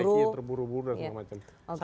terbaiknya terburu buru dan semacamnya